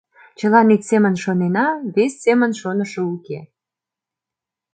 Чылан ик семын шонена, вес семын шонышо уке!